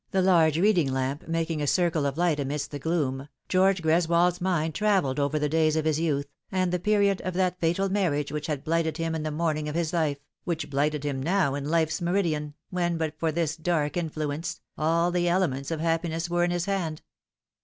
259 the large reading lamp making a circle of light amidst the gloom, George G reswold's mind travelled over the days of his youth, and the period of that fatal marriage which had blighted him in the morning of his life, which blighted him now in life's meridian, when, but for this dark influence, all the elements of happiness were in his hand.